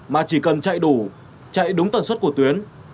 mà chỉ cần chạy đủ chạy đúng tần suất của tuyến